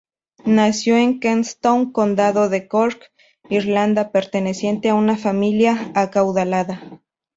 Nació en Queenstown, Condado de Cork, Irlanda, perteneciente a una familia acaudalada.